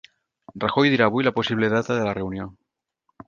Rajoy dirà avui la possible data de la reunió